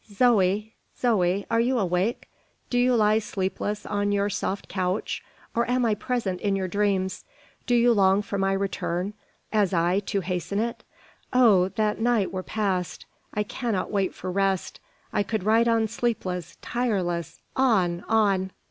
"Zoe! Zoe! are you awake? Do you lie sleepless on your soft couch? or am I present in your dreams? Do you long for my return, as I to hasten it? Oh, that the night were past! I cannot wait for rest. I could ride on sleepless tireless on on!"